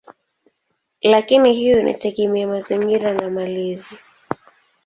Lakini hiyo inategemea mazingira na malezi.